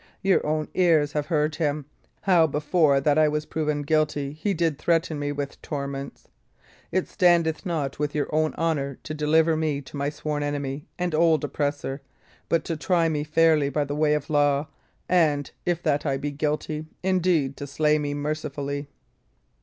Your own ears have heard him, how before that I was proven guilty he did threaten me with torments. It standeth not with your own honour to deliver me to my sworn enemy and old oppressor, but to try me fairly by the way of law, and, if that I be guilty indeed, to slay me mercifully."